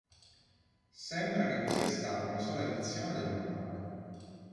Sembra che vi sia stata una sola edizione del manuale.